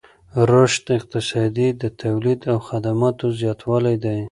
رشد اقتصادي د تولید او خدماتو زیاتوالی دی.